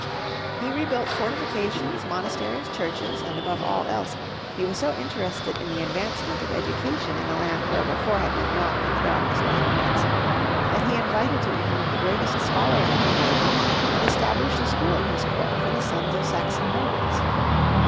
'' He rebuilt fortifications, monasteries, churches, and above all else, he was so interested in the advancement of education in a land where before had been naught but the darkest ignorance, that he invited to England the greatest scholars of the age and established a school in his court for the sons of Saxon nobles.